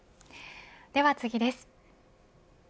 では次です。